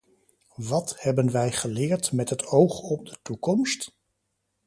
Wat hebben wij geleerd met het oog op de toekomst?